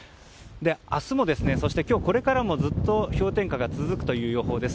明日もそして今日これからもずっと氷点下が続くという予報です。